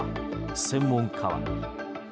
専門家は。